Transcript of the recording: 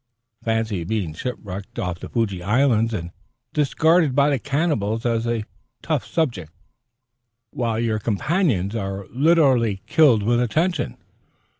Fancy being shipwrecked off the Fiji Islands, and discarded by cannibals as a tough subject, while your companions are literally killed with attention!